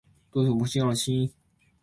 どうもそうらしい